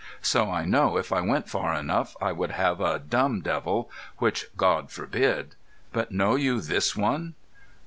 So I know if I went far enough I would have a dumb devil, which God forbid! But know you this one?"